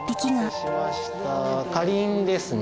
かりんですね。